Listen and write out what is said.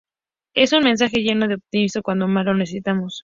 Es un mensaje lleno de optimismo cuando más lo necesitamos".